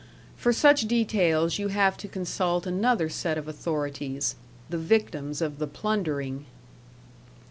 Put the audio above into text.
For such details you have to consult another set of authorities the victims of the plundering.